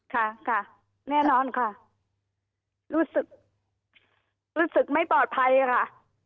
ค่ะค่ะแน่นอนค่ะรู้สึกรู้สึกไม่ปลอดภัยค่ะ